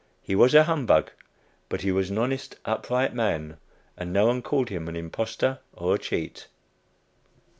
He was a humbug, but he was an honest upright man, and no one called him an impostor or a cheat.